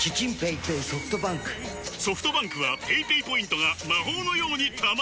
ソフトバンクはペイペイポイントが魔法のように貯まる！